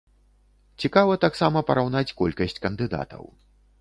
Цікава таксама параўнаць колкасць кандыдатаў.